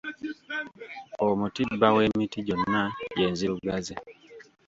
Omuti bba w'emiti gyonna ye nzirugaze.